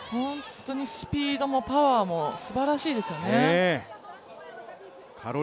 スピードもパワーもすばらしいですよね。